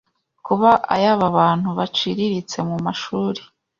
kuba ay’ab’abantu baciriritse Mumashuri